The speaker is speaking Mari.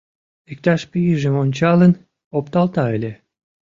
Иктаж пийжым ончалын, опталта ыле.